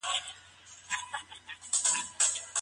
افغان خبریالان د خپلو اساسي حقونو دفاع نه سي کولای.